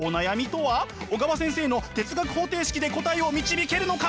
小川先生の哲学方程式で答えを導けるのか！？